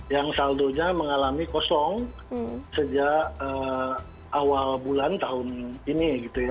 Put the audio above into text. yang saldonya mengalami kosong sejak awal bulan tahun ini